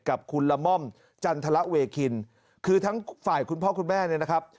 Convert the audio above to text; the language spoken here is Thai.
กับคุณละม่อมจันทรเวคินคือทั้งฝ่ายคุณพ่อคุณแม่เนี่ยนะครับ